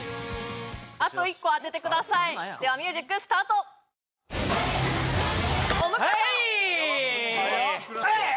あと１個当ててくださいではミュージックスタートおっ向井さん